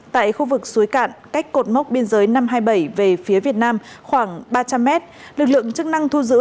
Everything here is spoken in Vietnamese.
tại khu vực suối cạn cách cột mốc biên giới năm trăm hai mươi bảy về phía việt nam khoảng ba trăm linh mét lực lượng chức năng thu giữ